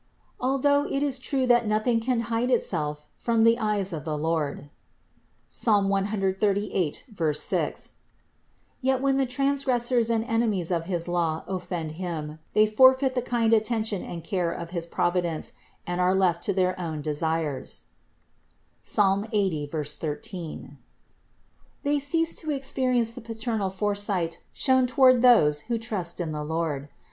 436. Although it is true that nothing can hide itself from the eyes of the Lord (Ps. 138, 6), yet when the transgressors and enemies of his law offend Him, they forfeit the kind attention and care of his Providence and are left to their own desires (Ps. 80, 13). They cease to experience the paternal foresight shown toward those who trust in the Lord.